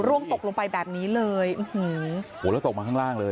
ตกลงไปแบบนี้เลยอื้อหือโหแล้วตกมาข้างล่างเลย